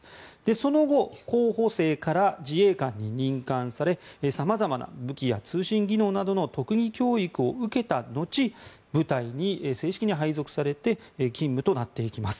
その後、候補生から自衛官に任官され様々な武器や通信技能などの特技教育を受けた後、部隊に正式に配属されて勤務となっていきます。